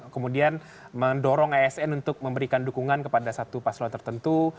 kemudian mendorong asn untuk memberikan dukungan kepada satu paslon tertentu